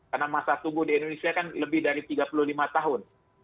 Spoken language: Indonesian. karena masa tunggu di indonesia kan lebih dari tiga puluh lima tahun